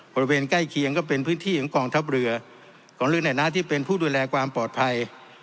บริเวณใกล้เคียงก็เป็นพื้นที่ของกองทัพเรือกองเรือในฐานะที่เป็นผู้ดูแลความปลอดภัย